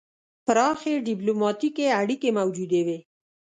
پراخې ډیپلوماتیکې اړیکې موجودې وې.